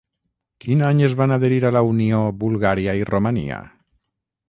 Quin any es van adherir a la Unió Bulgària i Romania?